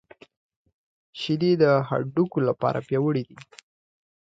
شیدې د هډوکو لپاره پياوړې دي